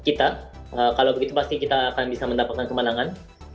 jika begitu kita pasti akan mendapatkan kemenangan